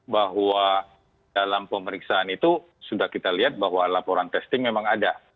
bahwa dalam pemeriksaan itu sudah kita lihat bahwa laporan testing memang ada